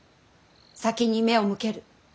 先に目を向ける。